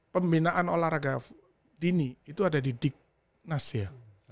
pembinaan olahraga dini itu ada di diknas ya